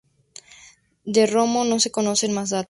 De Romo no se conocen más datos.